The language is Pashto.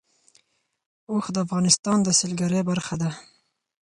اوښ د افغانستان د سیلګرۍ برخه ده.